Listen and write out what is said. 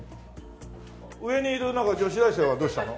上にいるなんか女子大生はどうしたの？